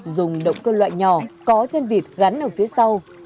dùng động cơ loại nhỏ có chân vịt gắn ở phía sau